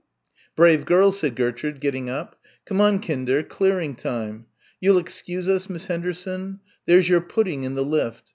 "Brave girls," said Gertrude, getting up. "Come on, Kinder, clearing time. You'll excuse us, Miss Henderson? There's your pudding in the lift.